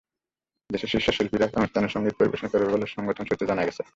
দেশের শীর্ষ শিল্পীরা অনুষ্ঠানে সংগীত পরিবেশন করবেন বলে সংগঠন সূত্রে জানা গেছে।